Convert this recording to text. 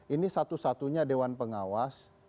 ini satu satunya dewan pengawas